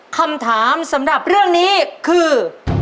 คำถามสำหรับเรื่องนี้คือ